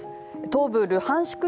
東部ルハンシク